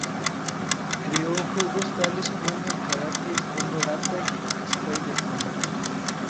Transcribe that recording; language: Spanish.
Creó juegos tales como: Karate, Condor Attack, Spider Kong.